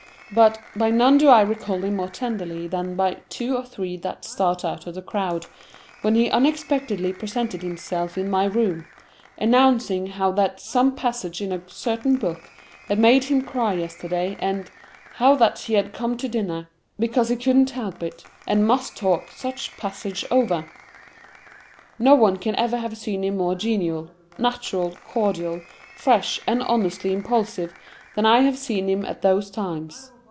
But, by none do I recall him more tenderly than by two or three that start out of the crowd, when he unexpectedly presented himself in my room, announcing how that some passage in a certain book had made him cry yesterday, and how that he had come to dinner, "because he couldn't help it", and must talk such passage over. No one can ever have seen him more genial, natural, cordial, fresh, and honestly impulsive, than I have seen him at those times.